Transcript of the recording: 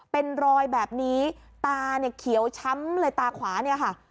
เป็นรอยแบบนี้ตาเนี่ยเขียวช้ำเลยตาขวาเนี่ยค่ะ